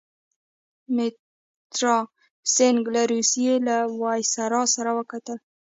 مترا سینګه له روسيې له ویسرا سره وکتل.